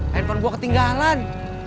handphone gue ketinggalan